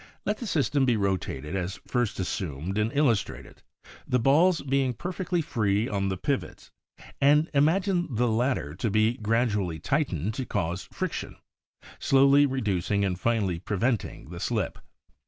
Let the system be rotated as first assumed and illustrated, the balls being perfectly free on the pivots, and imagine the latter to be gradu ally tightened to cause friction slowly reducing and finally pre venting the slip.